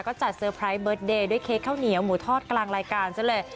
ก็จัดเตอร์ไพรส์เบิร์ตเดย์ด้วยเค้กข้าวเหนียวหมูทอดกลางรายการซะเลย